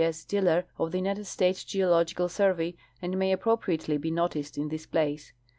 >S. Diller, of the United States Geological Sur vey, and may ap2)ropriately be noticed in this place.